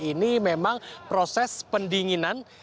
ini memang proses pendinginan